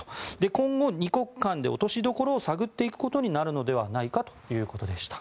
今後、２国間で落としどころを探っていくのではないかということでした。